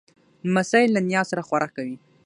لمسی له نیا سره خوراک کوي.